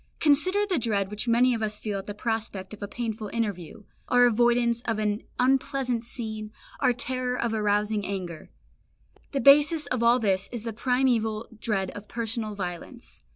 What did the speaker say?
Consider the dread which many of us feel at the prospect of a painful interview, our avoidance of an unpleasant scene, our terror of arousing anger. The basis of all this is the primeval dread of personal violence.